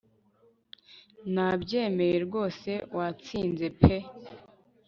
nabyemeye rwose watsinze peuh